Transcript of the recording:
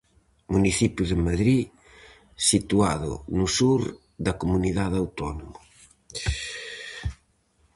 Municipio de Madrid situado no sur da comunidade autónoma.